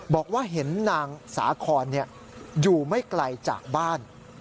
บอกว่าเห็นนางสาคอนอยู่ไม่ไกลจากบ้าน